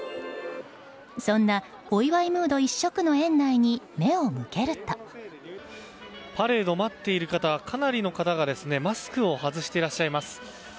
そんなお祝いムード一色の園内にパレードを待っている方かなりの方がマスクを外していらっしゃいます。